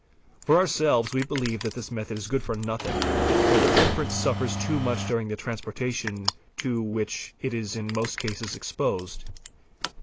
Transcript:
for ourselves we believe that this method is good for nothing, for the footprint suffers too much during the transportation to which it is in most cases exposed.